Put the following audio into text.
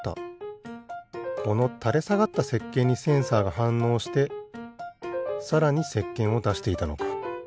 このたれさがったせっけんにセンサーがはんのうしてさらにせっけんをだしていたのか。